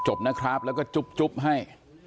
จบนะครับแล้วก็จุ๊บให้